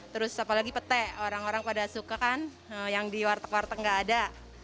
terus apalagi pete orang orang pada suka kan yang di warteg warteg nggak ada